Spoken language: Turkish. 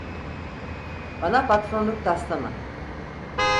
Bana patronluk taslama.